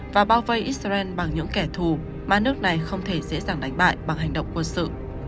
và bao vây israel bằng những kẻ thù mà nước này không thể dễ dàng đánh bại bằng hành động quân sự